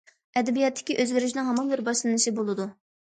ئەدەبىياتتىكى ئۆزگىرىشنىڭ ھامان بىر باشلىنىشى بولىدۇ.